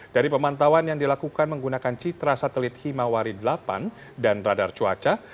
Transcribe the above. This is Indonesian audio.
dari pemantauan yang dilakukan menggunakan citra satelit himawari delapan dan radar cuaca